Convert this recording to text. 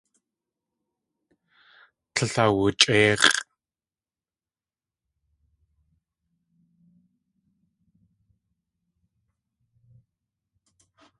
Tlél awuchʼéix̲ʼ.